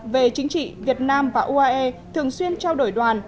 về chính trị việt nam và uae thường xuyên trao đổi đoàn